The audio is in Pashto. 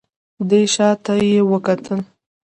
دی شا ته يې وکتل.